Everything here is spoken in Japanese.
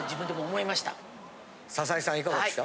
いかがですか？